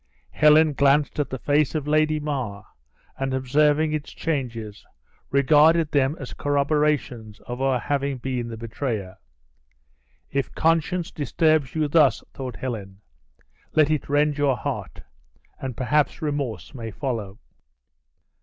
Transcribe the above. Helen glanced at the face of Lady mar, and observing its changes, regarded them as corroborations of her having been the betrayer. "If conscience disturbs you thus," thought Helen, "let it rend your heart, and perhaps remorse may follow!"